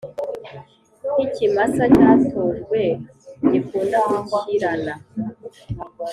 nk ikimasa cyatojwe gikunda gukirana